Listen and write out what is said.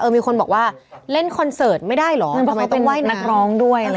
เออมีคนบอกว่าเล่นคอนเสิร์ตไม่ได้เหรอทำไมต้องไหว้น้ำนักร้องด้วยอะไรอย่างงี้